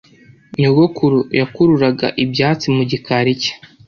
Nyogokuru yakururaga ibyatsi mu gikari cye.